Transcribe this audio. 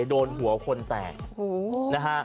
โดนหัวคนแตก